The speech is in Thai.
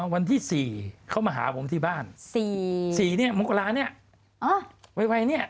วันที่๔เขามาหาผมที่บ้าน๔เนี่ยมงกราเนี่ยไวเนี่ย